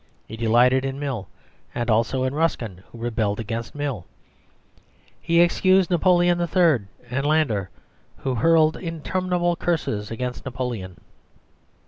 He delighted in Mill, and also in Ruskin who rebelled against Mill. He excused Napoleon III. and Landor who hurled interminable curses against Napoleon.